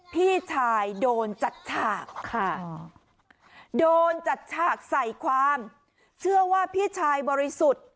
พี่ชายโดนจัดฉากค่ะโดนจัดฉากใส่ความเชื่อว่าพี่ชายบริสุทธิ์